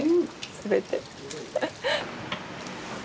全て。